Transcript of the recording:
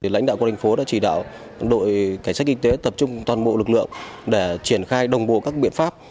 lãnh đạo của thành phố đã chỉ đạo đội cảnh sát kinh tế tập trung toàn bộ lực lượng để triển khai đồng bộ các biện pháp